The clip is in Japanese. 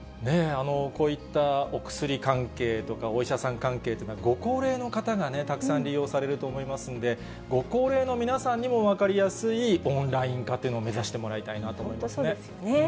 こういったお薬関係とか、お医者さん関係とか、ご高齢の方がたくさん利用されると思いますんで、ご高齢の皆さんにも分かりやすいオンライン化っていうのを目指し本当、そうですよね。